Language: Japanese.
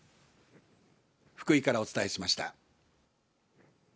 福井からお伝えしました。